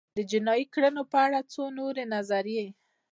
د جنایي کړنو په اړه څو نورې نظریې